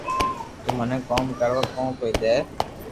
تو مني ڪوم ڪروا ڪون ڪئي دي